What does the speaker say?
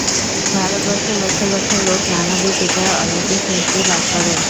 ভারতবর্ষে লক্ষ লক্ষ লোক নানাবিধ উপায়ে অলৌকিক শক্তি লাভ করে।